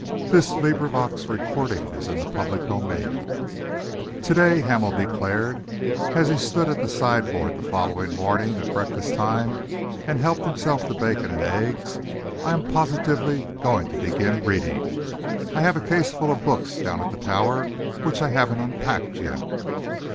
He had found an object in life. CHAPTER XXI "To day," Hamel declared, as he stood at the sideboard the following morning at breakfast time and helped himself to bacon and eggs, "I am positively going to begin reading. I have a case full of books down at the Tower which I haven't unpacked yet."